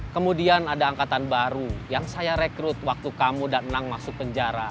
kemudian ada angkatan baru yang saya rekrut waktu kamu dan menang masuk penjara